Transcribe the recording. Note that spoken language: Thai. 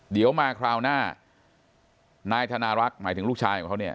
เดี๋ยวมาคราวหน้านายธนารักษ์หมายถึงลูกชายของเขาเนี่ย